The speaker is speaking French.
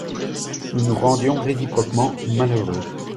Nous nous rendions réciproquement malheureux.